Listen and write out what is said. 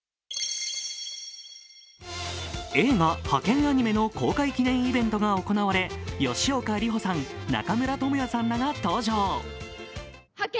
映画「ハケンアニメ！」の公開記念イベントが行われ、吉岡里帆さん、中村倫也さんらが登場。